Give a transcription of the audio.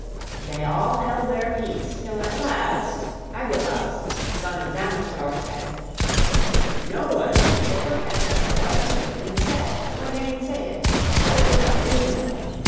They all held their peace till at last Agelaus son of Damastor said, "No one should take offence at what has just been said, nor gainsay it, for it is quite reasonable.